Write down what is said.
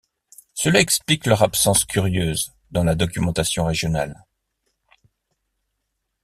Cela explique leur absence curieuse dans la documentation régionale.